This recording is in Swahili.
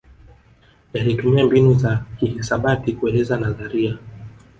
Yalitumia mbinu za kihisabati kueleza nadharia